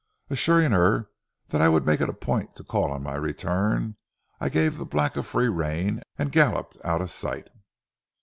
Assuring her that I would make it a point to call on my return, I gave the black a free rein and galloped out of sight.